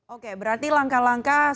oke berarti langkah langkahnya